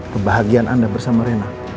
kebahagiaan anda bersama rena